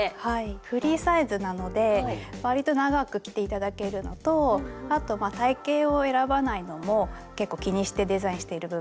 フリーサイズなのでわりと長く着て頂けるのとあと体型を選ばないのも結構気にしてデザインしている部分です。